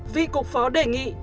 vị cục phó đề nghị